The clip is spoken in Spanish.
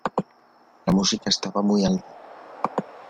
La música estaba muy alta.